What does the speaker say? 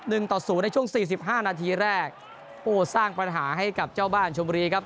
ต่อศูนย์ในช่วงสี่สิบห้านาทีแรกโอ้สร้างปัญหาให้กับเจ้าบ้านชมบุรีครับ